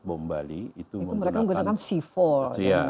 bom bali itu menggunakan